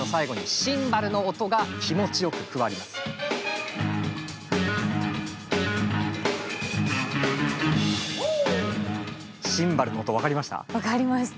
シンバルの音分かりました？